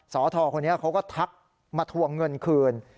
สทคนนี้เขาก็ทักมาทวงเงินคืน